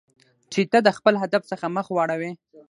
چې ته د خپل هدف څخه مخ واړوی.